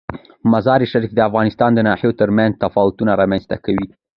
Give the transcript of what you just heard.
مزارشریف د افغانستان د ناحیو ترمنځ تفاوتونه رامنځ ته کوي.